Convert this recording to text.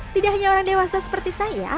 tidak hanya orang dewasa seperti saya